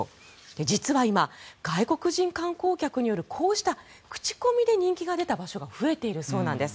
実は今、外国人観光客によるこうした口コミで人気が出た場所が増えているそうです。